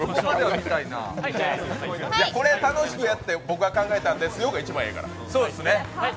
これ、楽しくやって、僕が考えたんですよ、でいいから。